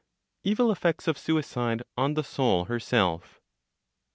EVIL EFFECTS OF SUICIDE ON THE SOUL HERSELF.